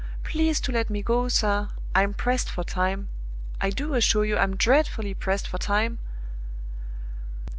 Please to let me go, sir I'm pressed for time. I do assure you I'm dreadfully pressed for time!"